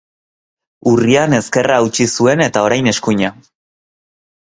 Urrian ezkerra hautsi zuen eta orain eskuina.